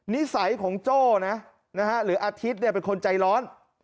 นิสัยของโจ้นะหรืออธิษฐ์เนี่ยเป็นคนใจร้อน